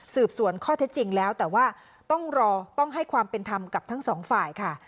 สวนข้อเท็จจริงแล้วแต่ว่าต้องรอต้องให้ความเป็นธรรมกับทั้งสองฝ่ายค่ะ